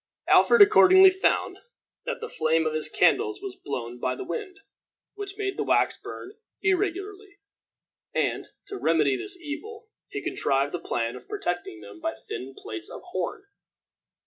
Alfred accordingly found that the flame of his candles was blown by the wind, which made the wax burn irregularly; and, to remedy the evil, he contrived the plan of protecting them by thin plates of horn.